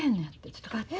ちょっと代わって。